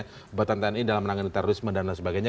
pelibatan tni dalam menangani terorisme dan sebagainya